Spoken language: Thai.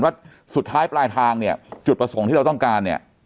ว่าสุดท้ายปลายทางเนี่ยจุดประสงค์ที่เราต้องการเนี่ย